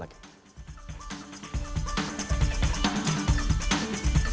pemerintah dan pemerintah